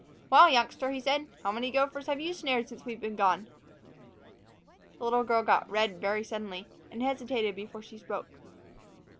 "Well, youngster," he said, "how many gophers have you snared since we've been gone?" The little girl got red suddenly, and hesitated before she spoke.